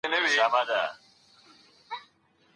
هیوادونه د مظلومانو د دفاع لپاره څه لیکي؟